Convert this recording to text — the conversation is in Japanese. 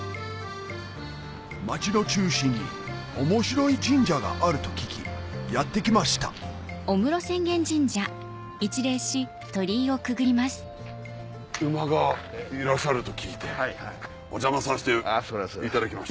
町の中心に面白い神社があると聞きやって来ました馬がいらっしゃると聞いてお邪魔させていただきました。